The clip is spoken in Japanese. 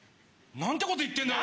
何てこと言ってんだよ！